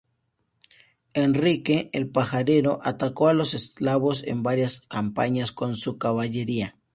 Enrique el Pajarero atacó a los eslavos en varias campañas con su caballería.